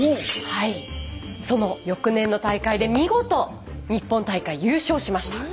その翌年の大会で見事日本大会優勝しました。